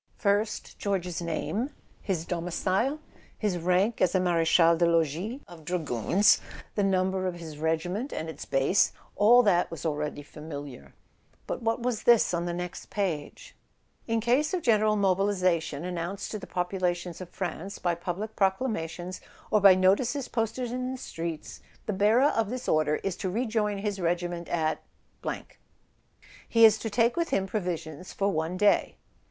First George's name, his domicile, his rank as a mare chal des logis of dragoons, the number of his regiment and its base: all that was already familiar. But what was this on the next page ? A SON AT THE FRONT "In case of general mobilisation announced to the populations of France by public proclamations, or by notices posted in the streets, the bearer of this order is to rejoin his regiment at . "He is to take with him provisions for one day.